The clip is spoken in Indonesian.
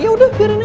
ya udah biarin aja